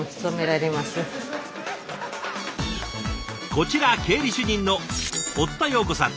こちら経理主任の堀田葉子さん。